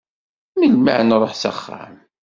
Melmi ad nruḥ s axxam?